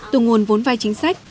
từ nguồn vốn vay chính sách